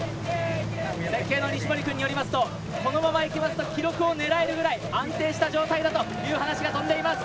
設計の西森くんによりますとこのままいきますと記録を狙えるぐらい安定した状態だという話が飛んでいます。